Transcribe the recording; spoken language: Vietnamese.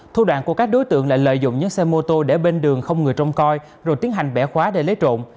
thu đoạn của các đối tượng lại lợi dụng những xe mô tô để bên đường không người trông coi rồi tiến hành bẻ khóa để lấy trộm